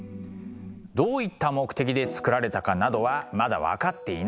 どういった目的で作られたかなどはまだ分かっていないんです。